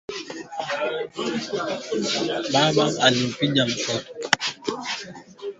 tia maji ya hamira uliyochachusha kwenye unga